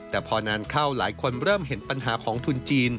แต่พอนานเข้าหลายคนเริ่มเห็นปัญหาของทุนจีน